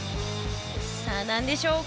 さあ何でしょう？